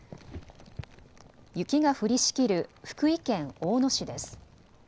雪が降りしきる福井県大野市です。